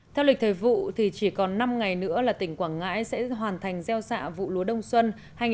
theo lịch thời vụ thì chỉ còn năm ngày nữa là tỉnh quảng ngãi sẽ hoàn thành gieo xạ vụ lúa đông xuân hai nghìn một mươi bảy hai nghìn một mươi tám